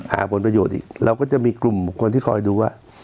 หาผลประโยชน์อีกเราก็จะมีกลุ่มคนที่คอยดูว่า